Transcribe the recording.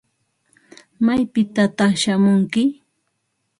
¿Maypitataq shamunki?